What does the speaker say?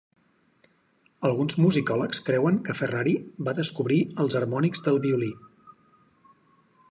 Alguns musicòlegs creuen que Ferrari va descobrir els harmònics del violí.